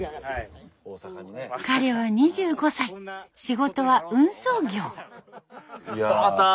彼は２５歳仕事は運送業。